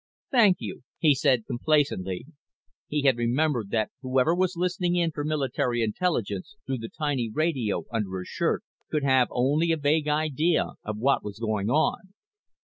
"Thank you," he said complacently. He had remembered that whoever was listening in for Military Intelligence through the tiny radio under his shirt could have only a vague idea of what was going on.